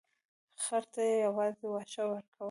خر ته یې یوازې واښه ورکول.